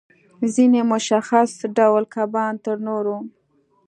ځینې مشخص ډول کبان تر نورو